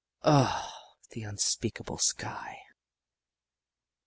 Oh, the unspeakable sky!